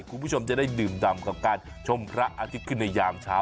คุณผู้ชมจะได้ดื่มดำกับการชมพระอาทิตย์ขึ้นในยามเช้า